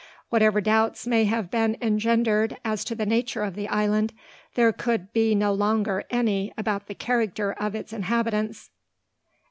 Whatever doubts may have been engendered as to the nature of the island, there could be no longer any about the character of its inhabitants.